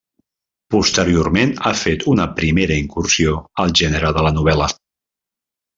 Posteriorment ha fet una primera incursió al gènere de la novel·la.